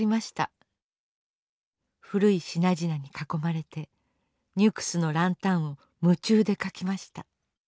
古い品々に囲まれて「ニュクスの角灯」を夢中で描きました。